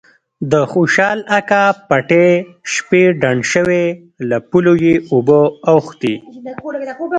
د خوشال اکا پټی شپې ډنډ شوی له پولو یې اوبه اوختي.